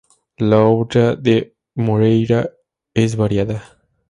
La obra de Moreyra es variada.